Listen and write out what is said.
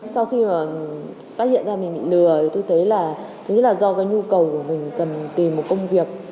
sau khi phát hiện ra mình bị lừa tôi thấy là do nhu cầu của mình cần tìm một công việc